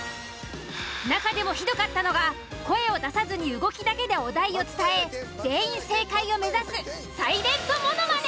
なかでもひどかったのが声を出さずに動きだけでお題を伝え全員正解を目指すサイレントものまね。